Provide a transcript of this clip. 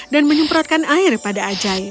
dan menyemprotkan air pada ajaib